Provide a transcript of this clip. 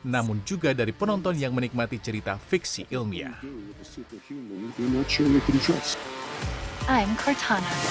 namun juga dari penonton yang menikmati cerita fiksi ilmiah